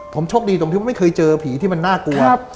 ผมโชคดีตรงที่ไม่เคยเจอผีที่มันน่ากลัว